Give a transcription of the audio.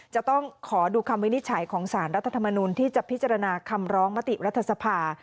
จะต้องขอดูคำวินิจฉัยของสารรัฐธรรมนุนที่จะพิจารณาคำร้องมติรัฐสภา